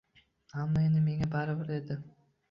Ammo endi menga baribir edi